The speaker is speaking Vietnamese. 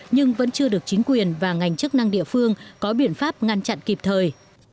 nhưng vẫn chưa được chính quyền và ngành chức năng địa phương có biện pháp ngăn chặn kịp thời